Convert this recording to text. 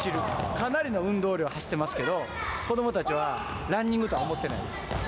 かなりの運動量走ってますけど、子どもたちは、ランニングとは思ってないです。